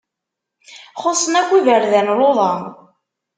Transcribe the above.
Xuṣṣen akk iberdan luḍa.